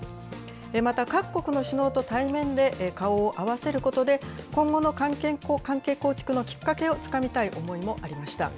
また、各国の首脳と対面で顔を合わせることで、今後の関係構築のきっかけをつかみたい思いもありました。